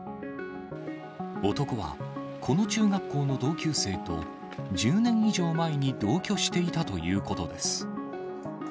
男はこの中学校の同級生と１０年以上前に同居していたということです。